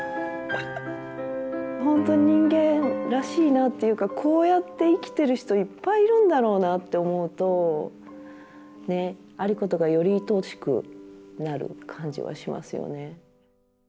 本当人間らしいなっていうかこうやって生きてる人いっぱいいるんだろうなって思うとねっ有功がよりいとおしくなる感じはしますよね。